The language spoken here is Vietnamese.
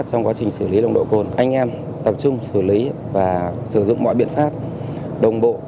trong thời gian tới đội cảnh sát giao thông trật tự và cơ động công an huyện đồng hì